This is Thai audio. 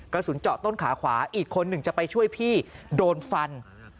กระสุนเจาะต้นขาขวาอีกคนหนึ่งจะไปช่วยพี่โดนฟัน